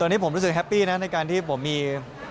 ตอนนี้ผมรู้สึกแฮปปี้นะในการที่ผมมี